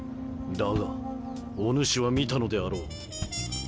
だがお主は見たのであろう。